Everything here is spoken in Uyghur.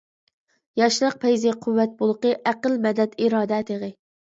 ياشلىق پەيزى قۇۋۋەت بۇلىقى، ئەقىل مەدەت، ئىرادە تېغى.